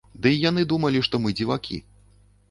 Ды й яны думалі, што мы дзівакі.